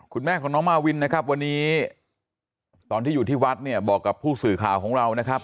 คุณแม่ของน้องมาวินนะครับวันนี้ตอนที่อยู่ที่วัดเนี่ยบอกกับผู้สื่อข่าวของเรานะครับ